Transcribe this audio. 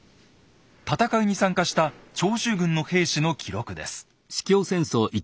戦いに参加した長州軍の兵士の記録です。